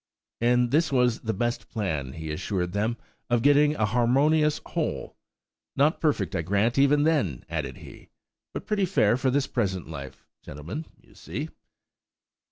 And this was the best plan, he assured them, of getting a harmonious whole–"not perfect, I grant, even then," added he, "but pretty fair for this present life, gentlemen, you see."